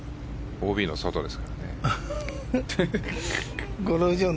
ＯＢの外ですからね。